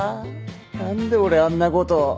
何で俺あんなこと。